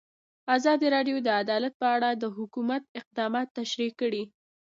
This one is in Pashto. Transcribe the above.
ازادي راډیو د عدالت په اړه د حکومت اقدامات تشریح کړي.